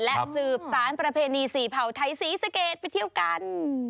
และสืบสารประเพณีสี่เผ่าไทยศรีสะเกดไปเที่ยวกัน